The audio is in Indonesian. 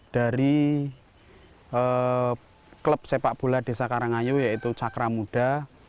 dari klub sepak bola desa karangayu yaitu cakra muda